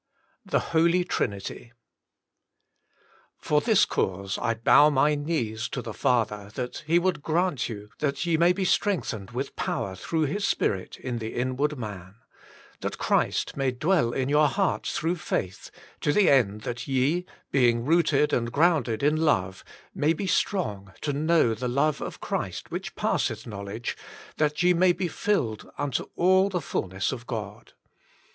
XXXI THE HOLY TRINITY "For this cause I bow my knees to the Fatheb that He would grant you, that ye may be strengthened with power theough His Spirit in the inward man; that Christ may dwell in your hearts through faith, to the end that ye, being rooted and grounded in LtOYE, may be strong to know the love of Christ which passeth knowledge, that ye may be filled unto all the fulness of God.